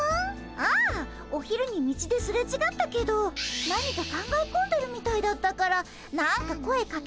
ああお昼に道ですれちがったけど何か考え込んでるみたいだったから何か声かけそびれちゃって。